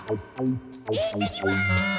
行ってきます！